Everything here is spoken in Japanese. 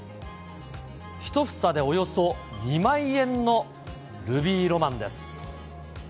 １房でおよそ２万円のルビーロマンです。